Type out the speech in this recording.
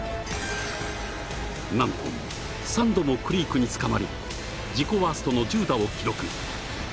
なんとも、３度もクリークに捕まり自己ワーストの１０打を記録。